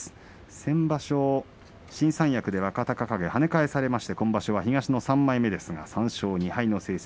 先場所、新三役で若隆景跳ね返されまして今場所は東の３枚目ですが３勝２敗の成績